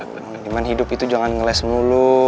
oh mang diman hidup itu jangan ngeles mulu